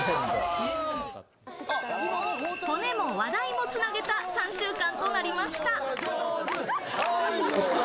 骨も話題もつなげた３週間となりました。